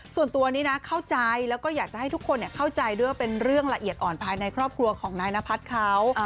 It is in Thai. ส่วนตัวนี้นะเข้าใจแล้วก็อยากจะให้ทุกคนเข้าใจด้วยว่าเป็นเรื่องละเอียดอ่อนภายในครอบครัวของนายนพัฒน์เขา